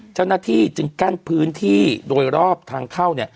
เจ้าหน้าที่จึงกั้นพื้นที่โดยรอบทางเข้า